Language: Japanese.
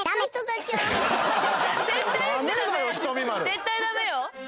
絶対ダメよ！